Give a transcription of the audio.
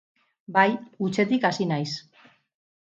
Bai, hutsetik hasi naiz.